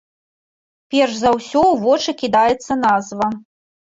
Перш за ўсё ў вочы кідаецца назва.